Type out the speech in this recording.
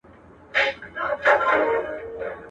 يو په ست ښه ايسي، بل په ننگ.